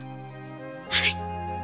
はい。